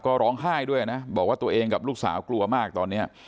ก็ร้องไห้ด้วยนะบอกว่าตัวเองกับลูกสาวกลัวมากตอนนี้